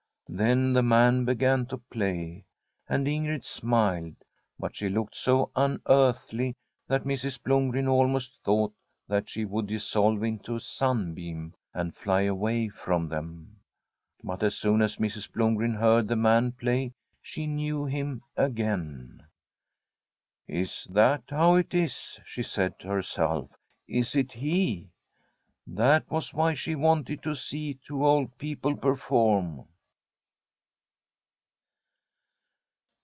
Then the man began to play, and Ingrid smiled, but she looked so unearthly that Mrs. Blomgren almost thought that she would dissolve into a sunbeam, and fly away from them. But as soon as Mrs. Blomgren heard the man play she knew him again. ' Is that how it is ?* she said to herself. * Is it he? That was why she wanted to see two old people perform.